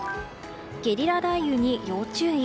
ゲリラ雷雨に要注意。